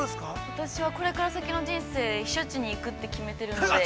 ◆私は、これからの先の人生、避暑地に行くって決めているので。